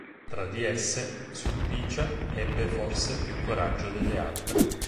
Tra di esse, Sulpicia ebbe forse più coraggio delle altre.